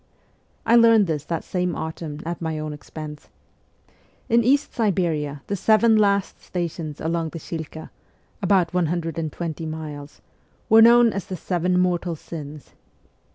I learned this that same autumn at my own expense. In East Siberia the seven last stations along the Shilka (about 120 miles) were known as the Seven Mortal Sins.